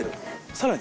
さらに。